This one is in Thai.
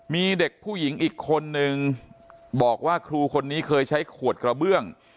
มีเด็กผู้หญิงอีกคนนึงบอกว่าครูคนนี้เคยใช้ขวดกระเบื้อง